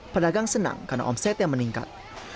pedagang senang karena omsetnya meningkat